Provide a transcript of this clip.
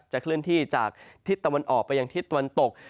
เคลื่อนที่จากทิศตะวันออกไปยังทิศตะวันตก